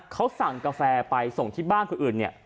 เขาสั่งกาแฟไปส่งที่บ้านคนอื่นเนี่ย